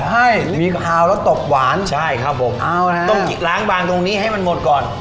ให้มีคาวแล้วตกหวานใช่ครับผมเอานะต้องล้างบางตรงนี้ให้มันหมดก่อน